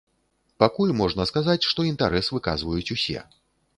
Пакуль можна сказаць, што інтарэс выказваюць усе.